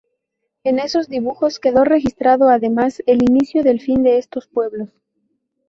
En esos dibujos quedó registrado, además, el inicio del fin de estos pueblos.